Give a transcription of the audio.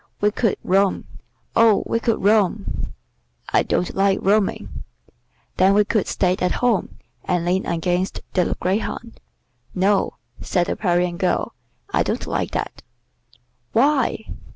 We could roam; oh, we could roam!" "I don't like roaming." "Then we could stay at home, and lean against the greyhound." "No," said the Parian girl, "I don't like that." "Why?"